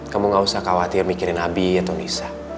kamu gak usah khawatir mikirin nabi atau nisa